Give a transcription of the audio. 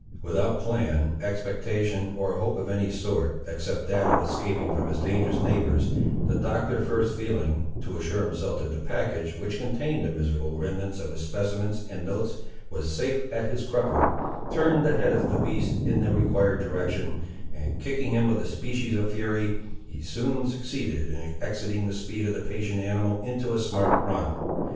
Without plan, expectation, or hope of any sort, except that of escaping from his dangerous neighbours, the Doctor first feeling, to assure himself that the package, which contained the miserable remnants of his specimens and notes was safe at his crupper, turned the head of the beast in the required direction, and kicking him with a species of fury, he soon succeeded in exciting the speed of the patient animal into a smart run.